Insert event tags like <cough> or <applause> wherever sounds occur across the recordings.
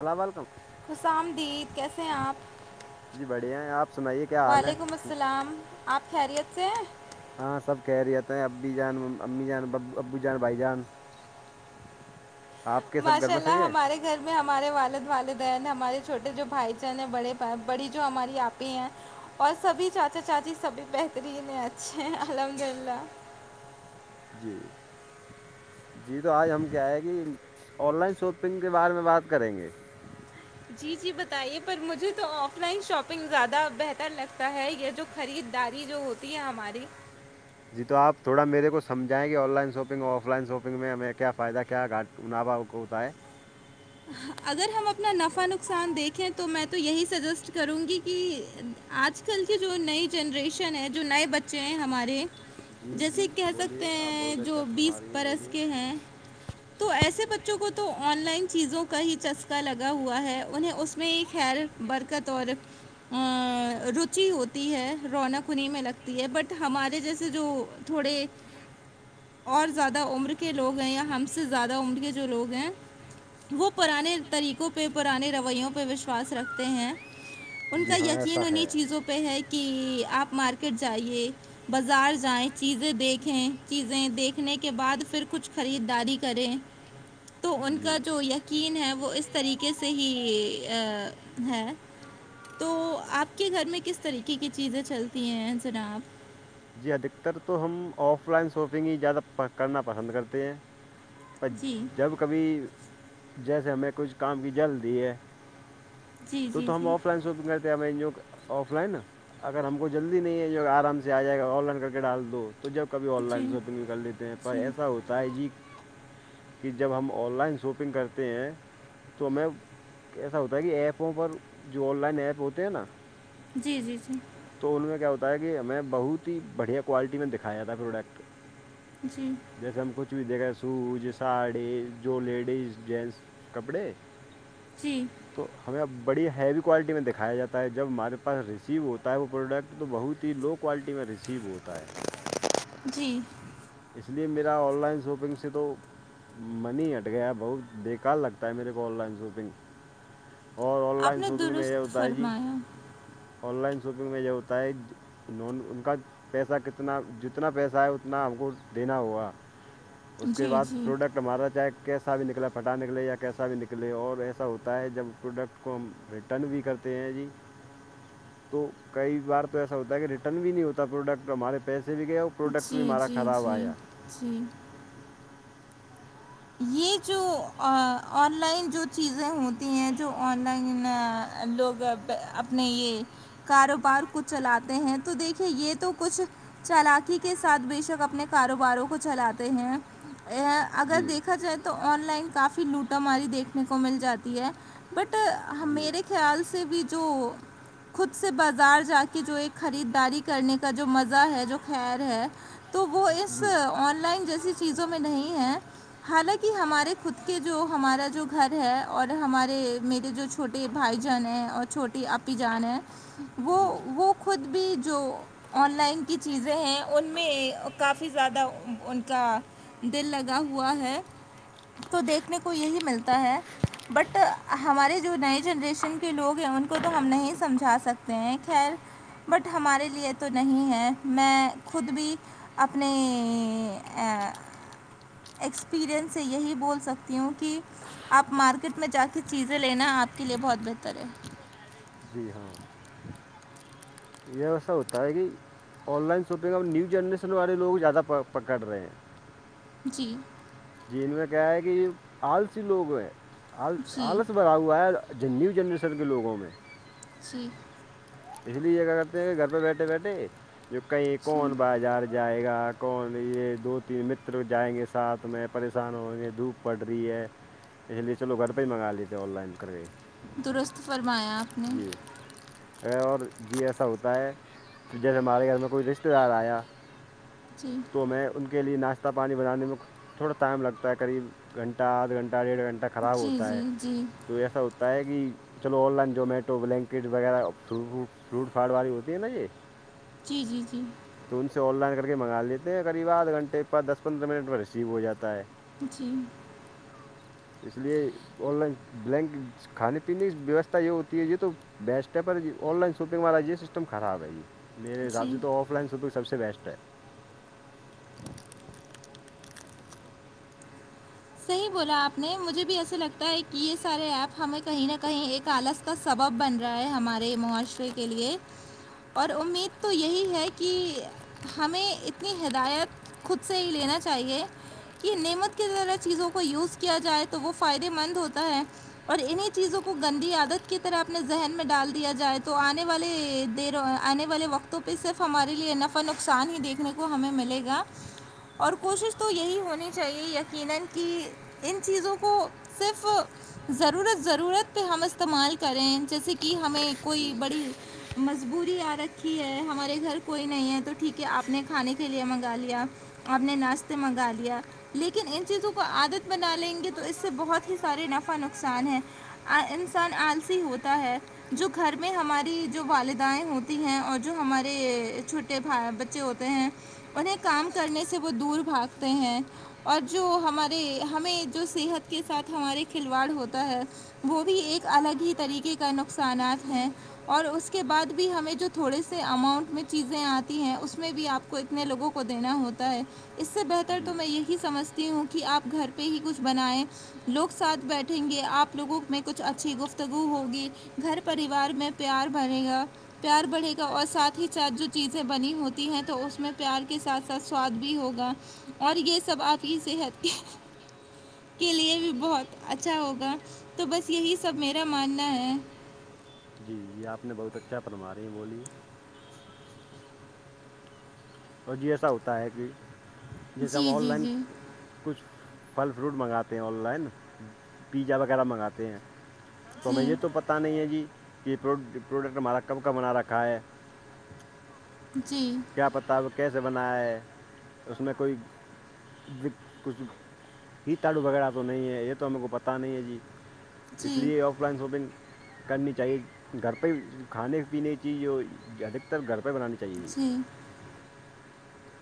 اللام و علکم حس آمدید کیسے ہیں آپ جی بڑھیا ہیں آپ سنائیے کیا حال ہے وعلیکم الس اللام آپ خیریت سے ہیں ہاں سب کہہ رہے ہوتے ہیں ابی جان امی جانبو ابو جان بھائی جان <unintelligible> سب گھر ماشاء میں اللہ صحیح ہے ہمارے گھر میں ہمارے والد والدین ہمارے چھوٹے جو بھائی جان ہیں بڑے بڑی جو ہماری آپ ہیں اور سبھی چاچا چاچی سبھی بہترین ہے اچھے ہیں الحمد للہ جی جی تو آج ہم کیا ہے کہ آن لائن شاپنگ کے بارے میں بات کریں گے جی جی بتائیے پر مجھے تو آف لائن شاپنگ زیادہ بہتر لگتا ہے جو خریداری جو ہوتی ہے ہماری جی تو آپ تھڑا میرے کو سمجھائیں گے آن لائن شاپنگ اور آف لائن شاپنگ میں ہمیں کیا فائدہ کیا گاٹ اننا با کو ہوتا ہے اگر ہم اپنا نفع نقصان دیکھیں تو میں تو یہی سجیسٹ کروں گی کہ آج کل کی جو نئی جنریشن ہے جو نئے بچے چ ہیں ہمارے جی جیسے جی کہہ بولیے سکتے آپ ہیں بہت اچھا جو فرما بیس رہی ہیں برس بولیے کے ہیں تو ایسے بچوں کو تو آن لائن چیزوں کا ہی چسکا لگا ہوا ہے انہیں اس میں ایک خیر برکت اور روچی ہوتی ہے رونق اننییں میں لگتی ہے بٹ ہمارے جیسے جو تھوڑے <inaudible> اور زیادہ عمر کے لوگ ہیں یا ہم سے زیادہ عمر کے جو لوگ ہیں وہ پرانے طریقوں پہ پرانے رویوں پہ وشواس رکھتے ہیں ان کا جی ہاں یقین ایسا انہیں ہے چیزوں پہ ہے کہ آپ مارکیٹ جائیے بازار جائیں چیزیں دیکھیں چیزیں دیکھنے کے بعد پھر کچھ خریداری کریں تو ان کے جی کا جو یقین ہے وہ اس طریقے سے ہی ہے تو آپ کے گھر میں کس طریقے کی چیزیں چلتی ہیں جناب جی ادھکتر تو ہم آف لائن شاپنگ ہی زیادہ کرنا پسند کرتے ہیں پر جی جب کبھی جیسے ہمیں کچھ کام کی جلد دی ہے جی تو جی ہم جی آف لائن شاپنگ کرتے ہیں ہمیں آف لائن اگر ہم کو جلدی نہیں ہے جو آرام سے آ جائے گا آن لائن کر کے ڈال دو تو جب کبھی آن جی لائن شاپنگ کر لیتے ہیں پر جی ایسا ہوتا ہے جی کہ جب ہم آن لائن شاپنگ کرتے ہیں تو ہمیں ایسا ہوتا ہے کہ ایپ آوں پر جو آن لائن ایپ ہوتے ہیں نا جی جی جی تو ان میں کیا ہوتا ہے کہ ہمیں بہت ہی بڑھیا کوالٹی میں دکھایا تھا پروڈکٹ جی جیسے ہم کچھ بھی دیکھے سوز ساڑی جو لیڈیز جینٹس کپڑے جی تو ہمیں ا بڑی ہیوی کوالٹی میں دکھایا جاتا ہے جب ہمارے پاس ریسیو ہوتا ہے وہ پروڈکٹ تو بہت ہی لو کوالٹی میں ریسیو ہوتا ہے جی اس لیے میرا آن لائن شاپنگ سے تو منی ہٹ گیا بہت بیکار لگتا ہے میرے کو آن لائن شاپنگ اور آن آپ لائن نے شاپنگ میں یہ درست ہوتا ہے جی فرمایا آن لائن شاپنگ میں یہ ہوتا ہے نون ان کا پیسہ کتنا جتنا پیسہ ہے اتنا ہم کو دینا ہوا اس جی کے بعد جی پروڈکٹ ٹ ہمارا چاہے کیسا بھی نکلا پھٹا نکلے یا کیسا بھی نکلے اور ایسا ہوتا ہے جب پروڈکٹ اس کو ہم ریٹرن بھی کرتے ہیں جی تو کئی بار تو ایسا ہوتا ہے کہ ریٹرن بھی نہیں ہوتا پروڈکٹ ہمارے پیسے بھی گئے ہو جی جی جی جی یہ جو آن لائن جو چیزیں ہوتی ہیں جو آن لائن <unintelligible> لوگ اپنے یہ کاروبار کچھ چلاتے ہیں تو دیکھیے یہ تو کچھ چالکی کے ساتھ بے شک اپنے کاروباروں کو چلاتے ہیں یہ اگر دیکھا جائے تو آن لائن کافی لوٹا ماری دیکھنے کو مل جاتی ہے بٹ میرے خیال سے بھی جو خود سے بازار جا کے جو ایک خریداری کرنے کا جو مزہ ہے جو خیر ہے تو وہ جی اس آن لائن جیسی چیزوں میں نہیں ہے حالانکہ ہمارے خود کے جو ہمارا جو گھر ہے اور ہمارے میرے جو چھوٹے بھائی جان ہیں اور چھوٹیے اپی جان ہیں وہ جی وہ خود بھی جو آن لائن کی چیزیں ہیں ان میں کافی زیادہ ان کا دل لگا ہوا ہے تو دیکھنے کو یہی ملتا ہے بٹ ہمارے جو نئے جنریشن کے لوگ ہیں ان کو تو ہم نہیں سمجھا سکتے ہیں خیر بٹ ہمارے لیے تو نہیں ہے میں خود بھی اپنے ایکسپیریئنس سے یہی بول سکتی ہوں کہ آپ مارکیٹ میں جا کے چیزیں لینا آپ کے لیے بہت بہتر ہے جی جی ہاں <unintelligible> یہ ایسا ہوتا ہے کہ آن لائن شاپنگ اب نیو جنریشن والے لوگ زیادہ پ پکڑ رہے ہیں جی جی ان کا کیا ہے کہ یہ آلسی لوگ ہیں آل جی آلس بھرا ہوا ہے ج نیو جنریشن کے لوگوں میں پکچی <unintelligible> اس لیے یہ کیا کرتے ہیں کہ گھر پہ بیٹھے بیٹھے جو کہیں جی کون بازار جائے گا کون یہ دو تین متر جائیں گے ساتھ میں پریشان ہویں گے دھوپ پڑ رہی ہے اس لیے چو گھر پہ ہی منگا لیتےے آن لائن کر کے درست فرمایا آپ نے <unintelligible> ا اور جی ایسا ہوتا ہے تو جیسے ہمارے گھر میں کوئی رشتے دار آیا جی تو میں ان کے لیے ناشتہ پانی بنے میں تھوڑا ٹائم لتا ہے قب گھنٹہ آدھ گھنٹہ ڈیڑھ گھنٹہ خراب جی ہوتا ہے جی جی تو ایسا ہوتا ہے کہ چلو آن لائن زومیٹو بلینکٹ وغیرہ فرو فروٹ فاٹ والی ہوتی ہے نا یہ جی جی جی تو ان سے آن لائن کر کے منگا لیتے ہیں قریب آدھ گھنٹے پ دس پندرہ منٹ میں ریسیو ہو جاتا ہے جی اس لیے آن لائن بلینک کھانے پینے کی ویوستھا یہ ہوتی ہے یہ تو بیسٹ ہے پر جی آن لائن شاپنگ والا یہی سسٹم خراب ہے جی میرے حساب جی سے تو آف لائن شوپنگ سب سے بیسٹ ہے صحیح بولا آپ نے مجھے بھی ایسے لگتا ہے کہ یہ سارے ایپ ہمیں کہیں نہ کہیں ایک آلس کا سبب بن رہا ہے ہمارے معاشرے کے لیے اور امید تو یہی ہے کہ ہمیں اتنی ہدایت خود سے ہی لینا چاہیے کہ نعمت کی ذرح چیزوں کو یوز کیا جائے تو وہ فائدے مند ہوتا ہے اور انہیں چیزوں کو گندی عادت کی طرح اپنے ذہن میں ڈال دیا جائے تو آنے والے دیر آنے والے وقتوں پہ صرف ہمارے لیے نفع نقصان ہی دیکھنے کو ہمیں ملے گا اور کوشش تو یہی ہونی چاہیے یقینا کہ ان چیزوں کو صرف ضرورت ضرورت پہ ہم استعمال کریں جیسے کہ ہمیں کوئی جی بڑی مجبوری آ رکھی ہے ہمارے گھر کوئی نہیں ہے تو ٹھیک ہے آپ نے کھانے کے لیے منگا لیا آپ نے ناشتے منگا لیا لیکن ان چیزوں کو کو عادت بنا لیں گے تو اس سے بہت ہی سارے نفع نقصان ہیں انسان آلسی ہوتا ہے جو گھر میں ہماری جو والدائیں ہوتی ہیں اور جو ہمارے چ کےھ بچے ہوتے ہیں انہیں کام کرنے سے وہ دور بھاگتے ہیں اور جو ہمارے ہمارے ہمیں جو صحت کے ساتھ ہمارے کھلواڑ ہوتا ہے وہ بھی ایک الگ ہی طریقے کا نقصانات ہیں اور اس کے بعد بھی ہمیں جو تھوڑے سے اماؤنٹ میں چیزیں آتی ہیں اس میں بھی آپ کو کو اتنے لوگوں کو دینا ہوتا ہے اس سے بہتر تو جی میں یہی سمجھتی ہوں کہ آپ گھر پہ ہی کچھ بنائیں لوگ ساتھ بیٹھیں گے آپ لوگوں میں کچھ اچھی گفتگو ہوگی گھر پریوار میں پیار بنے گا پیار بڑھے گا اور ساتھ ہی ساتھ جو چیزیں بنی ہوتی ہیں تو اس میں پیار کے ساتھ ساتھ سواد بھی ہوگا اور یہ سب آپ کی صحت کے کے لیے بھی بہت اچھا ہوگا تو بس یہی سب میرا ماننا ہے جی جی آپ نے بہت اچھا فنمارے ہیں بولیے اور جی ایسا ہوتا ہے کہ جیسے ہم جی آن جی لائن جی کچھ پھل فروٹ منگاتے ہیں آن لائن پیزا وغیرہ منگاتے ہیں تو ہمیں جی یہ تو پتاہ نہیں ہے جی کہ پروڈکٹ ہمارا کب کب بنا رکھا ہے جی کیا پتا وہ کیسے بنا ہے اس میں کوئی کچھ فتاڑو وغیرہ تو نہیں ہے یہ تو ہم کو پتا نہیں ہے جی جی اس جی لیے آف لائن شاپنگ کرنی چاہیے گھر پہ کھانے پینے چیز جو ادھکتر گھر پہ بنانی چاہیے جی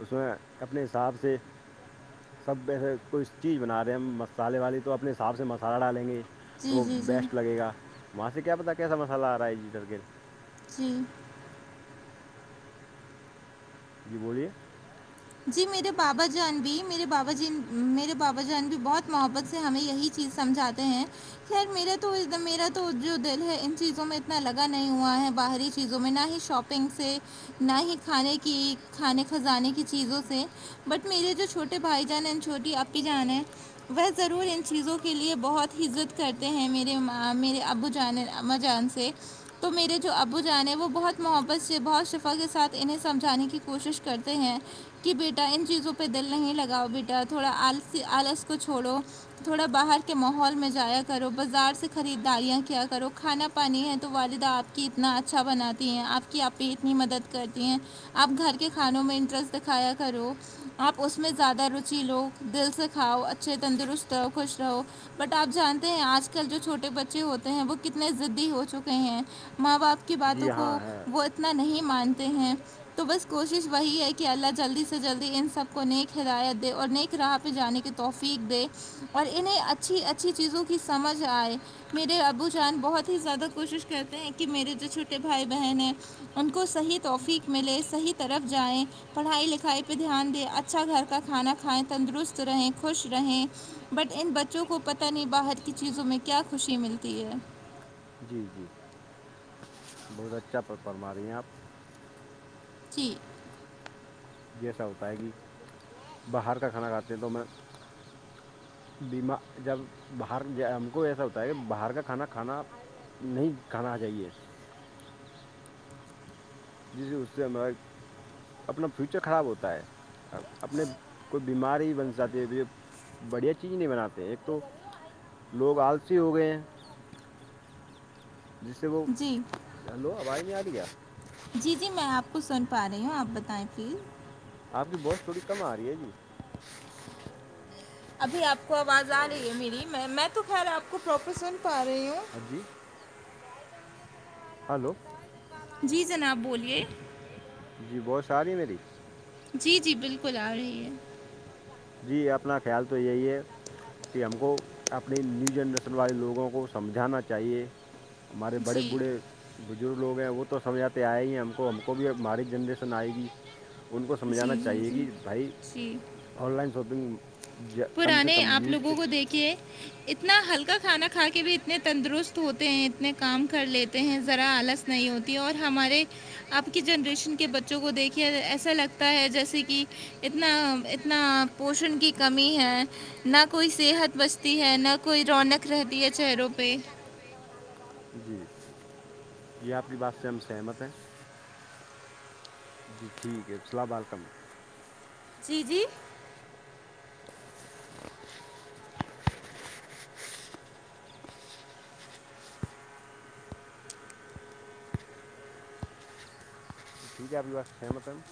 اس میں اپنے حساب سے سب ایسے کوئی چیز بنا رہے ہم مصالحے والی تو اپنے حساب سے مسالحہ ڈالیں گے تو جی وہ جی بیسٹ لگے گا وہاں سے کیا پتا کیسا مسالہ آ رہا ہے جیٹر کےل جی جی بولیے جی میرے بابا جان بھی میرے بابا ج میرے بابا جان بھی بہت محبت سے ہمیں یہی چیز سمجھاتے ہیں خیر میرا تو میرا تو جو دل ہے ان چیزوں میں اتنا لگا نہیں ہوا ہے باہری چیزوں میں نہ ہی شاپ پنگ سے نہ ہی کھانے کزانے کی چیزوں سے بٹ میرے جو چھوٹے بھائی جان ہیں چھوٹی اپپی جان ہیں وہ ضرور ان چیزوں کے لیے بہت عزت کرتے ہیں میرے ماں میرے ابو جانے اما جان سے تو میرے جو ابو جان ہیں وہ بہت محبت سے بہت شفا کے ساتھ انہیں سمجھانے کی کوشش کرتے ہیں کہ بیٹا ان چیزوں پہ دل نہیں لگاؤ بیٹا تھوڑا آلسی آلس کو چھوڑو تھوڑا باہر کے ماحول میں جایا کرو بازار سے خریداریاں کیا کرو کھانا پانی ہے تو والدہ آپ کی اتنا اچھا بناتی ہیں آپ کی آپ کی اتنی مدد کرتی ہیں آپ گھر کے کھانوں میں انٹرسٹ دکھایا کرو آپ اس میں زیادہ روچی لو دل سے کھاؤ اچھے تندرست رہو خوش رہو بٹ آپ جانتے ہیں آج کل جو چھوٹے بچے ہوتے ہیں وہ کتنے زدی ہو چکے ہیں ماں باپ کی باتوں کو وہ اتنا نہیں مانتے ہیں تو بس کوشش وہی ہے کہ کہ اللہ جلدی سے جلدی ان سب کو نیک ہدایت دے اور نیک راہ پہ جانے کی توفیق دے اور انہیں اچھی اچھی چیزوں کی سمجھ آئے میرے ابو جان بہت ہی زیادہ کوشش کرتے ہیں کہ میرے جو چھوٹے بھائی بہن ہیں ان کو صحیح توفیق ملے صحیح طرف جائیں پڑھائی لکھائی پہ دھیان دیں اچھا گھر کا کھانا کھائیں تندرست رہیں خوش رہیں بٹ ان بچوں کو پتہ نہیں باہر کی چیزوں میں کیا خوشی ملتی ہے جی جی بہت اچھا پرما رہی ہیں آپ پچھی <unintelligible> جیسا ہوتا ہے کہ باہر کا کھانا کھاتے ہیں تو میں بیما جب باہر ہم کو ایسا ہوتا ہے کہ باہر کا کھانا کھانا نہیں کہاںا آ جائیے جیسے اس سے ہمارا اپنا فیوچر خراب ہوتا ہے اپنے کوئی بیماری بن جاتی ہے بڑھیا چیز نہیں بناتے ایک تو لوگ آلسی ہو گئے ہیں جس سے وہ جی ہلو آواز نہیں آ رہی ہے جی جی میں آپ کو سن پا رہی ہوں آپ بتائیں پلیز آپ کی بہت تھوڑی کم آ رہی ہے جی ابھی آپ کو آواز کیا آ ہو گیا رہی ہے میری میں میں تو خیر آپ کو پروپر سن پا رہی ہوں ہاں جی <unintelligible> ہلو جی جناب بولیے جی بہت ساری میری جی جی بالکل آ رہی ہے جی اپنا خیال تو یہی ہے کہ ہم کو اپنے نیو جنریشن والے لوگوں کو سمجھانا چاہیے ہمارے بڑے جی بوڑھے بزرگ لوگ ہیں وہ تو سمجھاتے آئے ہی ہیں ہم کو ہم کو بھی ہماری جنریشن آئے گی ان کو جی سمجھانا جی چاہیے جی کہ بھائی جی آن لائن شاپنگ کم سے پرانے کم آپ یوج پہ لوگوں کو دیکھے اتنا ہلکا کھانا کھا کے بھی اتنے تندرست ہوتے ہیں اتنے کام کر لیتے ہیں ذرا آلس نہیں ہوتی اور ہمارے اب کی جنریشن کے بچوں کو دیکھے ایسا لگتا ہے جیسے کہ اتنا اتنا پوشن کی کمی ہے نہ کوئی صحت بچتی ہے نہ کوئی رونق رہتی ہے چہروں پہ جی جی آپ کی بات سے ہم سحمت ہیں جی ٹھیک ہے السلام علیکم جی جی جی اپکی بات سے سہمت ہے ہم